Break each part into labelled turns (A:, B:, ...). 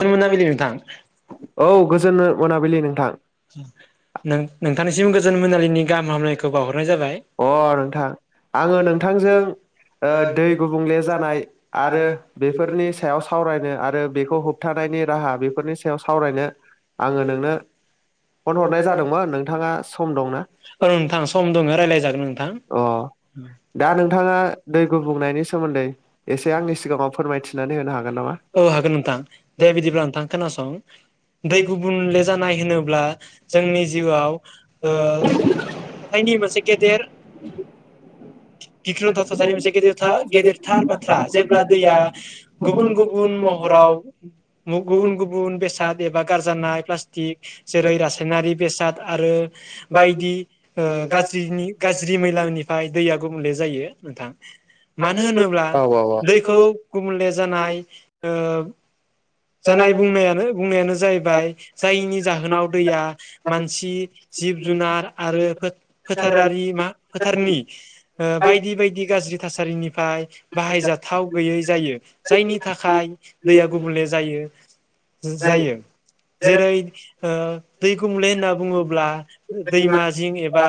A: गोजोन मोनाबिलि नोंथां औ
B: गोजोन मोनाबिलि नोंथां
A: [inaudible] नोंथांनिसिम गोजोन मोनलिनि गाहाम हामलनायखौ [unintelligible]
B: अ नोंथां आङो नोंथांजों ओ दै गुबुंले जानाय आरो बेफोरनि सायाव सावरायनो आरो बेखौ होबथा नायनि राहा बेफोरनि सायाव सावरायनो आङो नोंनो फन हरनाय जादोंमोन नोंथाङा सम दंना?
A: औ नोंथां सम दङ
B: [unintelligible]
A: रायज्लायजागोन नोंथां
B: अ दा नोंथाङा दै गुबुंनायनि सोमोन्दै एसे आंनि सिगाङाव फोरमायथिनानै होनो हागोन नामा?
A: औ हागोन नोंथां दे बिदिब्ला नोंथां खोनासं, [inaudible] दै गुबुनले जानाय होनोब्ला जोंनि जिउआव ओ [inaudible] मोनसे गेदेर
B: औ
A: गिख्रंथाव थासारि मोनसे गेदेरथार गेदेरथार बाथ्रा जेब्ला दैया गुबुन गुबुन महराव [inaudible] गुबुन गुबुन बेस एबा गारजानाय प्लास्टिक जेरै रासायनारि बेसाद आरो बायदि ओ गाज्रिनि गाज्रि मैलानिफ्राय दैया गुबुंले जायो नोंथां। मानो होनोब्ला दैखौ गुबले जानाय ओ जानाय बुंनायानो बुंनायानो जाहैबाय जायनि जाहोनाव दैया मानसि जिब जुनार आरो फोथ फोथारारि मा फोथारनि ओ बायदि बायदि गाज्रि थासारिनि खाय बाहायजाथाव गैयै जायो जायनि थाखाय दैया गुबुंले जायो। जायो, जेरै ओ दै गुंबुंले होनना बुङोब्ला दैमा जिं एबा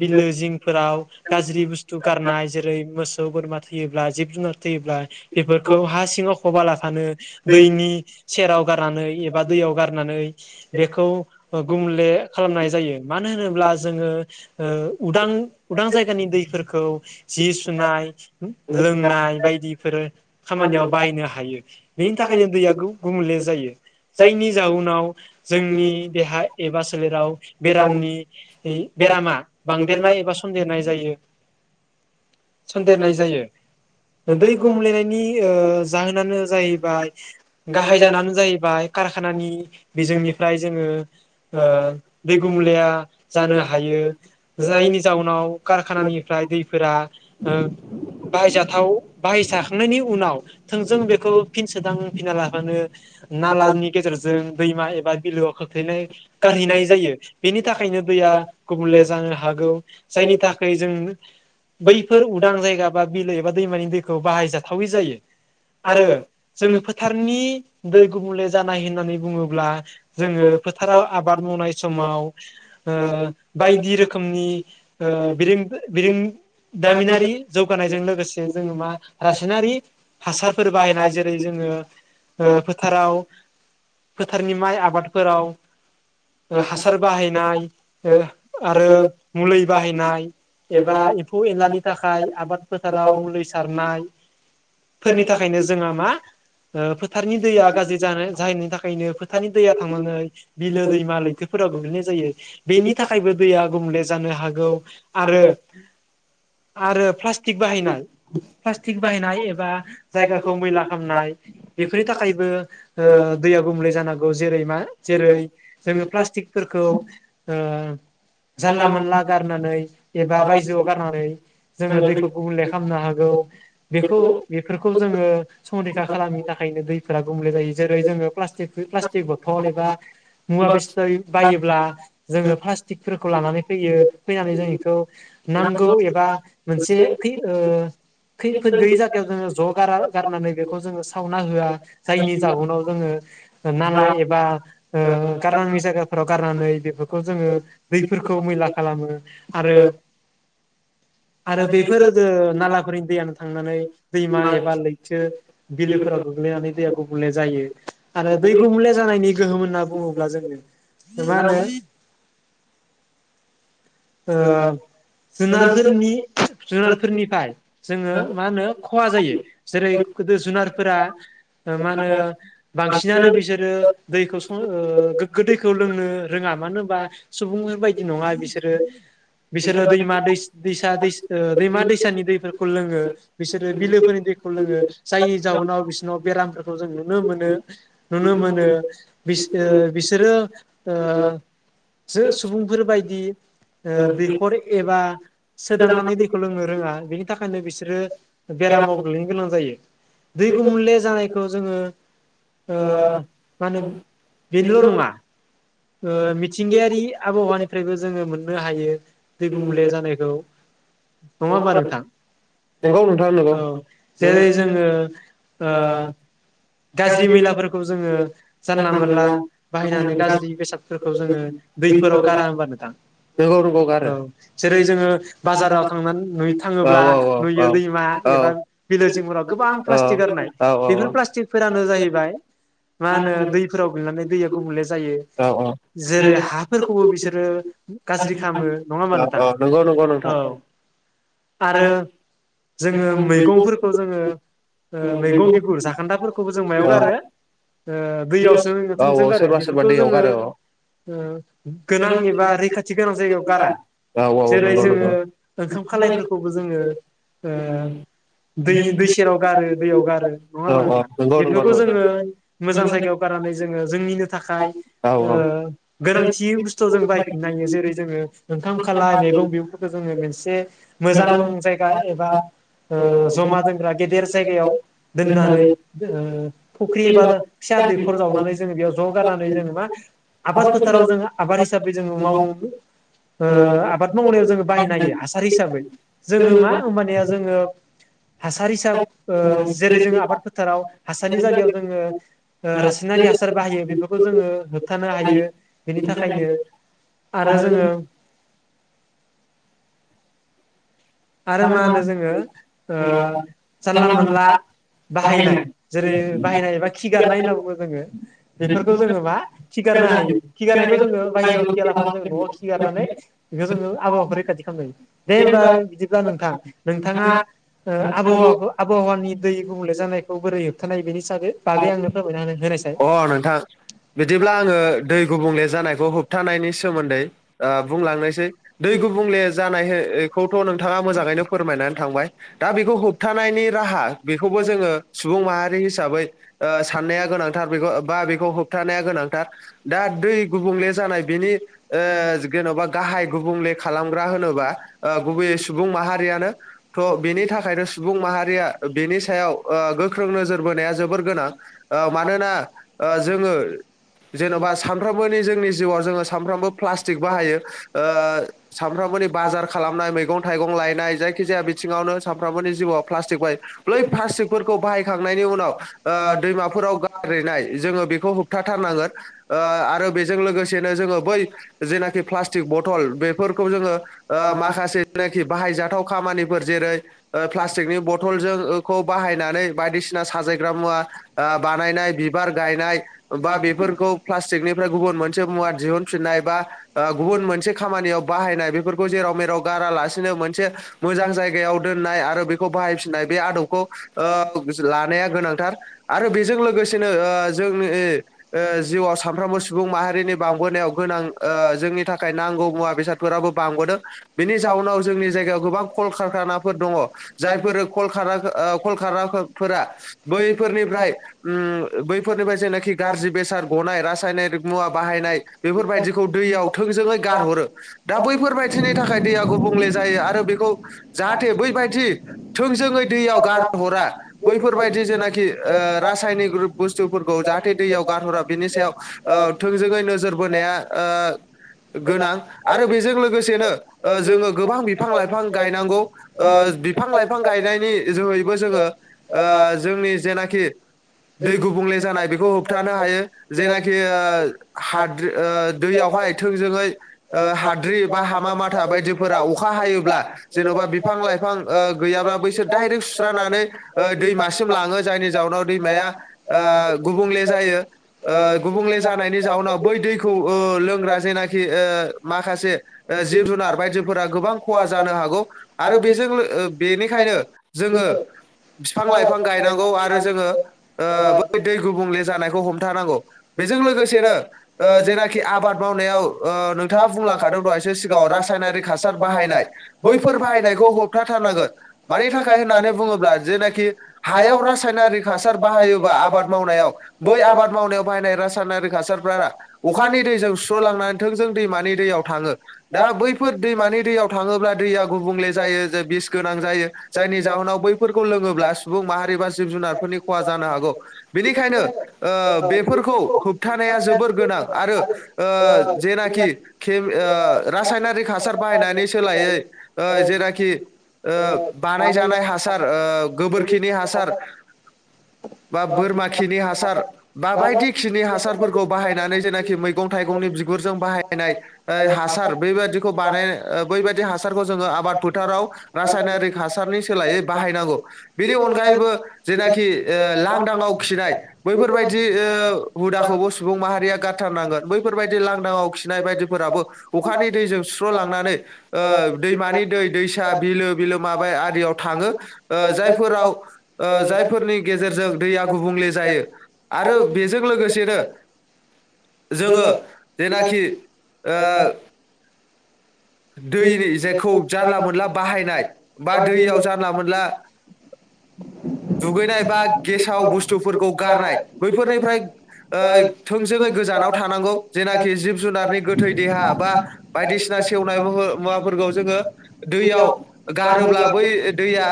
A: बिलो जिंफोराव गाज्रि बुस्थु गारनाय जेरै मोसौ बोरमा थैयो ब्ला जिब जुनार थैयोब्ला बेफोरखौ हा सिङाव फबालाफानो दैनि सेराव गारनानै एबा दैयाव गारनानै बेखौ गुंले खालामनाय जायो मानो होनोब्ला जोङो ओ उदां उदां जायगानि दैफोरखौ जि सुनाय लोंनाय बायदिफोर खामानियाव बाहायनो हायो बेनि थाखाय बेनिखायनो दैया गु बुंले जायो जायनि जाउनाव जोंनि देहा एबा सोलेराव बेरामनि नि बेरामा बांदेरनाय एबा सनदेरनाय जायो। सनदेरनाय जायो दै गुमलेनायनि ओ जाहोनानो जाहैबाय गाहाय जाहोनानो जाहैबाय कारखानानि बिजोंनिफ्राय जोङो ओ दै गुमलेया जानो हायो जायनि जाउनाव कारखानानिफ्राय दै फोरा ओ बाहायजाथाव बाहायजाखांनायनि उनाव थोंजों बेखौ फिन सोदां फिना लाफानो नालानि गेजेरजों दैमा एबा बिलोआव खोख्लैनाय गारहैनाय जायो। बेनि थाखायनो दैया गुबुंले जानो हागौ जायनि थाखाय जों बैफोर उदां जायगा बा बिलो एबा दैमानि दैखौ बाहायजाथावै जायो आरो जोङो फो थारनि दै गुबुंले जानाय होननानै बुङोब्ला जोङो फोथाराव आबाद मावनाय समाव ओ बायदि रोखोमनि ओ बिरिं-बिरोंदामिनारि जौगानायजों लोगोसे जोङो मा रासायनारि हासारफोर बाहायनाय जेरै जोङो ओ फोथाराव फोथारनि माइ आबादफोराव ओ हासार बाहायनाय ओ आरो मुलै बाहायनाय एबा एम्फू एनलानि थाखाय आबाद फोथाराव मुलि सारनाय फोरनि थाखायनो जोंहा मा ओ फोथारनि दैया गाज्रि जानो जाहैनायनि थाखायनो फोथारनि दैया थांनानै बिलो दैमा लैथोफोरा गोग्लैनाय जायो बेनि थाखायबो दैया गुबुंले जानो हागौ आरो आरो प्लास्टिक बाहायनाय प्लास्टिक बाहायनाय एबा जायगाखौ मैला खालामनाय। बेफोरनि थाखायबो ओ दैया गुबुंले जानांगौ जेरै मा जेरै जोङो प्लास्टिकफोरखौ ओ जानला -मानला गारनानै एबा बायजोआव गारनानै। जोङो दैखौ गुबुंले। खालामनो हागौ बेखौ बेफोरखौ जोङो संरैखा। खालामिनि थाखायनो दैफोरा गुबुंले जायो जेरै जोङो प्लास्टिकनि प्लास्टिक बथल एबा। मुवा बेसादआरि। बायोब्ला जोङो फ्लास्टिकफोरखौ लानानै फैयो फैनानै जों इखौ नांगौ एबा मोनसे खै ओ खैफोद गैयै जागायाव ज गारा गारनानै। खौ जोङो सावना होआ जायनि जाहुनाव जोङो नाला एबा ओ गारनाङै जायगाफोराव गारनानै बेफोरखौ जोङो दैफोरखौ मैला खालामो आरो। आरो बेफोर दो नालाफोरनि दैयानो थांनानै दैमा एबा लैथो। बिलोफोराव गोग्लैनानै दैया गुबुंले जायो आरो दै गुबुंले जानायनि गोहोम होनना बुङोब्ला जोङो मा होनो। ओ जुनारफोरनि जुनारफोरनिफाय जोङो मा होनो खहा जायो जेरै जुनारफोरा मा ओ होनो बांसिनानो बिसोरो दैखौ सर ओ गोग्गो दैखौ लोंनो रोङा मानो होनबा सुबुंङै बायदि नङा बिसोरो बिसोरो दैमा दैस दैसा दैस ओ दैमा-दैसानि दैफोरखौ लोङो। बिसोरो बिलोफोरनि दैखौ लोङो जायनि जाहुनाव बिसोनाव बेरामफोरखौ जों नुनो मोनो नुनो मोनो बिस ओ बिसोरो ओ जो सुबुंफोरबायादि। ओ दैखर एबा सोदांनानै दैखौ लोंनो रोङा‌। बेनि थाखायनो बिसोरो बेरामाव गोलैनो गोनां जायो। दै गुमले जानायखौ जोङो ओ मा होनो बेनोल नङा। ओ मिथिंगायारि आबहावानिफ्रायबो जोङो मोननो हायो। दै गुबुंले जानायखौ। नङा होमबा नोंथां। औ
B: नंगौ नोंथां नंगौ
A: औ जेरै जोङो ओ गाज्रि मैलाफोरखौ जोङो जानला मानला बाहायनानै गाज्रि बेसादफोरखौ जोङो दैफोराव गारा होनबा नोंथां
B: नंगौ नंगौ
A: औ
B: गारो
A: जेरै जोङो बाजाराव थांनानै नुयै थाङोब्ला नुयो। दैमा एबा बिलोजिंफोराव गोबां प्लास्टिक गारनाय बेफोर प्लास्टिक। फोरानो जाहैबाय मा होनो दैफोराव गैलैनानै दैया गुबुंले जायो
B: औ औ
A: जेरै हाफोरखौबो बिसोरो गाज्रि खालामो नङा होमबा नोंथां
B: नंगौ नंगौ
A: औ
B: नोंथां
A: आरो। जोङो मैगंफोरखौ जोङो मैगं बिगुर जाखान्दाफोरखौ। खौबो जों मायाव गारो ओ। दैयावसो थांजों गारो बेफोरखौ जोङो ओ गोनां एबा रैखाथि गोनां जायगायाव गारा
B: औ औ
A: जेरै जोङो ओंखाम खालायफोरखौबो जोङो ओ दै दै सेराव गारो दैयाव गारो नङा होनबा
B: औ
A: नोंथां।
B: नंगौ
A: बेफोरखौ जोङो। मोजां जायगायाव गारनानै जोङो जोंनिनो थाखाय ओ गोनांथि बुस्थु जों बायफिननो हायो जेरै जोङो ओंखाम खाला मैगं बेगफोरखौ जोङो मोनसे मोजां जायगा एबा जमा ओ दोनग्रा गेदेर जायगायाव दोननानै। ओ फख्रि एबा फिसा दैख'र जावनानै जोङो बेयाव ज गारनानै जोङो मा आबाद फोथाराव जोङो आबाद हिसाबै जोङो मावो ओ आबाद मावनायाव जोङो बाहायनो हायो हासार हिसाबै जोङो मा होमबानिया जोङो हासार हिसाब ओ जेरै जों आबाद साराव हासारनि जायगायाव जोङो रासायनारि हासार बाहायो बेफोरखौ जोङो होबथानो हायो बेनि थाखायनो आरो जोङो आरो मा होनो जोङो ओ जानला मोनला बाहायनाय जेरै बाहायनाय एबा खिगारनाय होनना बुङो जोङो बेफोरखौ जोङो मा खिगारनो हायो खिगारनायखौ जोङो बायजोआव खिया लाफानो जोङो न'आव खिगारनानै बेखौ जोङो आबहावाखौ रैखाथि खालामनायो दे होमबा बि अब्ला नोंथां नोंथाङा ओ आब'हावाखौ आब'हावानि दै गुबुंले जानायखौ बोरै होबथानाय बेनि सागै
B: अ
A: बागै आंनो फोरमायना होनायसाय
B: नोंथां बिदिब्ला आङो दै गुबुंले जानायखौ हो होबथानायनि सोमोन्दै ओ बुंलांनोसै दै गुबुंले जानायखौथ' नोंथाङा मोजाङैनो फोरमायनानै थांबाय दा बेखौ होबथानायनि राहा बेखौबो जोङो सुबुं माहारि हिसाबै ओ साननाया गोनांथार बेखौ बा बेखौ होबथानाया गोनां दा दै गुबुंले जानाय बेनि ओ जेनबा गाहाय गुबुंले खालामग्रा होनोबा गुबैयै सुबुं माहारियानो थ' बेनि थाखायनो सुबुं माहारिया बेनि सायाव ओ गोख्रों नोजोर बोनाया जोबोर गोनां ओ मानोना ओ जोङो जेनबा सानफ्रामबोनि जोंनि जिउआव जोङो सानफ्रामबो प्लास्टिक बाहायो ओ सानफ्रामबोनि बाजार खालामनाय मैगं थाइगं लायनाय जायखि जाया बिथिङावनो सानफ्रामबोनि जिउआव प्लास्टिक बाहायो बै प्लास्टिकफोरखौ बाहायखांनायनि उनाव ओ दैमाफोराव गारहैनाय जोङो बेखौ होबथाथारनांगोन ओ आरो बेजों लोगोसेनो जोङो बै जेनाखि प्लास्टिक बथल बेफोरखौ जोङो ओ माखासे जेनाखि बाहायजाथाव खामानिफोर जेरै प्लास्टिकनि बथलजोंखौ बाहायनानै बायदिसिना साजाय ग्रा मुवा आ बानायनाय बिबार गायनाय बा बेफोरखौ प्लास्टिकनिफ्राय गुबुन मोनसे मुवा दिहुनफिननाय बा ओ गुबुन मोनसे खामानियाव बाहायनाय बेफोरखौ जेराव मेराव गारालासिनो मोनसे मोजां जायगायाव दोननाय आरो बेखौ बाहायफिननाय बे आदबखौ ओ लानाया गोनां थार आरो बेजों लोगोसेनो ओ जोंनि ओ जिउआव सानफ्रोमबो सुबुं माहारिनि बांबोनायाव गोनां ओ जोंनि थाखाय नांगौ मुवा बेसादफोराबो बांबोदों बेनि जाउनाव जोंनि जायगायाव गोबां कलकारखानाफोर दङ जायफोरल कलकारा ओ कलकाराफोरा बैफोरनिफ्राय उम बैफोरनिफ्राय जेनेख खि गाज्रि बेसाद गनाय रास [unintelligible] मुवा बाहायनाय बेफोरबायदिखौ दैैयाव थोंजोङै गारहरो दा बैफोर बायदिनि थाखाय दैया गुबुंले जायो आरो बेखौ जाहाथे बै बायदि थोंजोंङै दैयाव गारहरा बैफोरबाय जि जेनाखि ओ रासायनिक बुस्थुफोरखौ जाहाथे दैयाव गारहरा बिनि सायाव ओ थोंजोङै नोजोर बोनाया ओ गोनां आरो बेजों लोगोसेनो ओ जोङो गोबां बिफां लाइफां गायनांगौ ओ बिफां लाइफां गायनायनि जोहैबो जोङो ओ जोंनि जेनाखि दै गुबुंले जानाय बेखौ होबथानो हायो जेनाखि ओ हाद्रि ओ दैयावहाय थोंजोङै ओ हाद्रि बा हामा माथा बायदिफोरा अखा हायोब्ला जेनबा बिफां लाइफां ओ गैयाब्ला बैसोर दाइरेक्ट सुस्रानानै ओ दैमा सिम लाङो जायनि जाउनाव दैमाया ओ गुबुंले जायो ओ गुबुंले जानायनि जाउनाव बै दैखौ ओ लोंग्रा जेनाखि ओ माखासे ओ जिब जुनार बायदिफोरा गोबां खहा जानो हागौ आरो बेजोंलो ओ बेनिखायनो जोङो बिफां लाइ गायनांगौ आरो जोङो ओ बै दै गुबुंले जानायखौ हमथानांगौ बेजों लोगोसेनो ओ जेनाखि आबाद मावनायाव ओ नोंथाङा बुंलांखादों दहायसो सिगाङाव रासायनारिक हासार बाहायनाय बैफोर बाहायनायखौ होबथाथारनांगोन मानि थाखाय होननानै बुङोब्ला जेनाखि हायाव रासायनारिक हासार बाहायोबा आबाद मावनायाव बै आबाद मावनायाव बाहायनाय आरासायनारिक हासारफोरा अखानि दैजों सुस्रलांनानै थों जों दैमानि दैयाव थाङो दा बैफोर दैमानि दैयाव थाङोब्ला दैया गुबुले जायो बिसगोनां जायो जायनि जाउनाव बैफोरखौ लोङोब्ला सुबुं माहारि बा जिब जुनारफोरनि खहा जानो हागौ बिनिखायनो ओ बेफोरखौ होबथानाया जोबोर गोनां आरो ओ जेनाखि ओ रासायनारिक हासार बाहायनायनि ओ सोलायै जेनाखि ओ बानायजानाय हासार ओ गोबोर खिनि हासार बा बोरमा खिनि हासार बायदि खिनि हासारफोरखौ बाहायनानै जेनाखि मैगं थाइगंनि बिगुरजों बाहायनाय हासार बैबा दिखौ बानाय बै बादि हासारखौ जोंङो आबाद फोथाराव रासायनारिक हासारनि सोलायै बाहायनांगौ बेनि अनगायैबो जेनाखि खि ओ लांदांव खिनाय बैफोरबायदि ओ हुदाखौबो सुबुं माहारिया गारथारनांगोन बैफोरबायदि लांदाङाव खिनाय बायदिफोराबो अखानि दैजों सुस्रलांनानै ओ दैमानि दै दैसा बिलो बिलोमा आरियाव थाङो ओ जाय फोराव ओ जायफोरनि गेजेरजों दैया गुबुंले जायो आरो बेजों लोगोसेनो जोङो जेनाखि ओ दैनि जेखौ जानला मोनला बाहायनाय बा दैयाव जानला मानला दुगैनाय बा गेसाव बुस्थुफोरखौ गारनाय बैफोरनिफ्राय ओ थोंजोङै गोजानाव थानांगौ जेनाखि जिब जुनारनि गोथै देहा बा बायदिसिना [unintelligible] मुवाफोरखौ जोङो दैयाव गारोब्ला बै दैया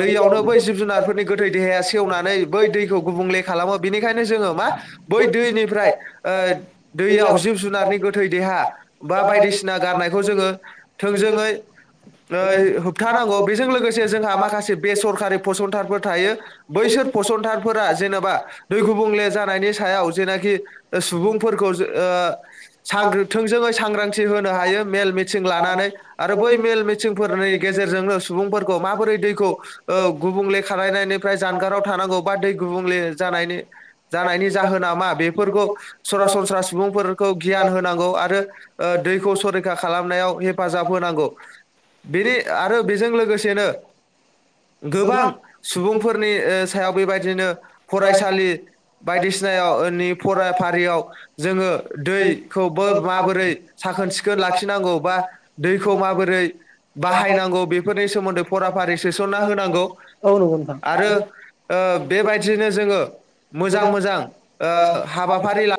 B: दैयावनो बै जिब जुनारफोरनि गोथै देहाया सेवनानै बै दैखौ गुबुंले खालामो बेनिखायनो जोङो मा बै दैनिफ्राय ओ दैयाव जिब जुनारनि गोथै देहा बा बायदिसिना गारनायखौ जोङो थोंजोङै ओय होबथानांगौ बेजों लोगोसे जोंहा माखासे बेसरकारि फसंथानफोर थायो बैसोर फसंथानफोरा जेनेबा दै गुबुंले जानायनि सायाव जेनाखि सुबुंफोरखौ जो ओ साग्रिद थोंजोङै होनो हायो मेल मिथिं लानानै आरो बै मेल मिथिंफोरनि गेजेरजोंनो सुबुंफोरखौ माबोरै दैखौ ओ गुबुंले खालनायनिफ्राय जानगाराव थानांगौ बा दै गुबुंले जानायनि जानायनि जाहोना मा बेफोरखौ सरासनस्रा सुबुंफोरखौ गियान होनांगौ आरो दैखौ सरैखा खालामनायाव हेफाजाब होनांगौ बेनि आरो बेजों लोगोसेनो गोबां सुबुंफोरनि ओ सायाव बेबायदिनो फरायसालि बायदिसिनायाव नि फराफारियाव जोङो दैखौबो माबोरै साखोन सिखोन लाखिनांगौ बा दैखौ माबोरै बाहायनांगौ बेफोरनि सोमोन्दै फराफारि सोसनना होनांगौ
A: औ नंगौ नोंथां
B: आरो ओ बेबायदिनो जोङो मोजां मोजां ओ हाबाफारि ला